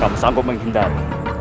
kamu sanggup menghindari